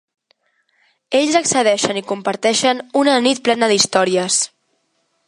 Ells accedeixen i comparteixen una nit plena d'històries.